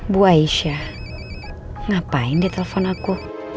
bu aisyah ngapain dia telpon aku